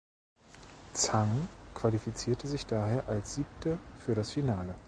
Zhang qualifizierte sich daher als Siebte für das Finale.